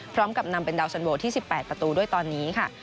พร้อมกับนำเป็นดาวสันโวที่๑๘ประตูด้วยตอนนี้ค่ะ